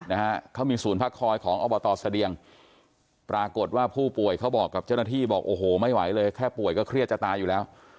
นะฮะเขามีศูนย์พักคอยของอบตเสดียงปรากฏว่าผู้ป่วยเขาบอกกับเจ้าหน้าที่บอกโอ้โหไม่ไหวเลยแค่ป่วยก็เครียดจะตายอยู่แล้ว